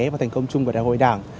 và thành công chung của đại hội đảng